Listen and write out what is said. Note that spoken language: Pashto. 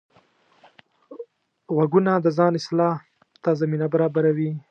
غوږونه د ځان اصلاح ته زمینه برابروي